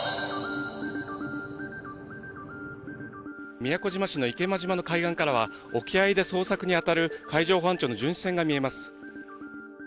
宮古島市の池間島の海岸からは、沖合で捜索に当たる海上保安庁の巡視船が見えます。